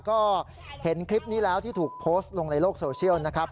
ก็เห็นคลิปนี้แล้วที่ถูกโพสต์ลงในโลกโซเชียลนะครับ